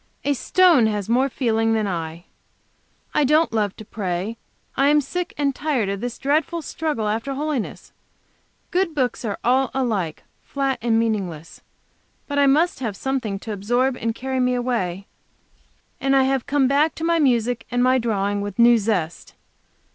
A stone has more feeling than I. I don't love to pray. I am sick and tired of this dreadful struggle after holiness; good books are all alike, flat and meaningless. But I must have something to absorb and carry me away, and I have come back to my music and my drawing with new zest.